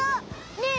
ねえ。